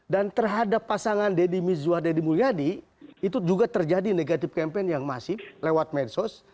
dan terhadap pasangan deddy mizwar deddy mugyadi itu juga terjadi negatif campaign yang masif lewat medsos